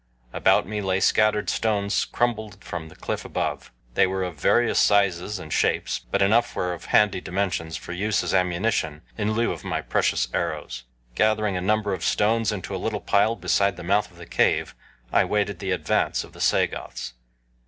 About me lay scattered stones crumbled from the cliff above. They were of various sizes and shapes, but enough were of handy dimensions for use as ammunition in lieu of my precious arrows. Gathering a number of stones into a little pile beside the mouth of the cave I waited the advance of the Sagoths.